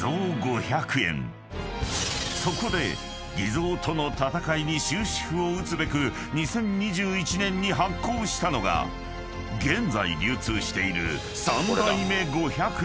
［そこで偽造との戦いに終止符を打つべく２０２１年に発行したのが現在流通している］